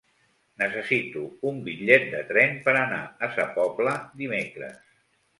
Necessito un bitllet de tren per anar a Sa Pobla dimecres.